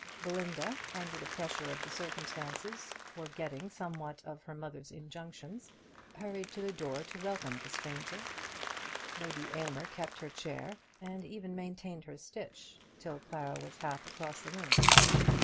Belinda, under the pressure of the circumstances, forgetting somewhat of her mother's injunctions, hurried to the door to welcome the stranger. Lady Aylmer kept her chair, and even maintained her stitch, till Clara was half across the room.